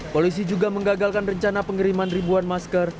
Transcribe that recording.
polisi juga menggagalkan rencana pengiriman ribuan masker